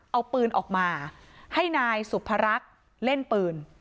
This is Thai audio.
เอาปืนออกมาให้นายสุภรักษ์เล่นปืน